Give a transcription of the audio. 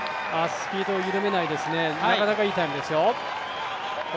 スピードを緩めないですね、なかなかいいタイムですよ。